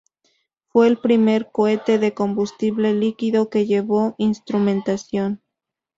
Fue el primer cohete de combustible líquido que llevó instrumentación.